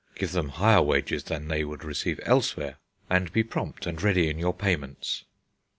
Give them higher wages than they would receive elsewhere, and be prompt and ready in your payments."